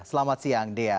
selamat siang dea